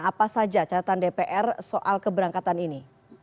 apa saja catatan dpr soal keberangkatan ini